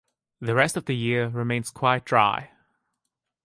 The rest of the year remains quite dry.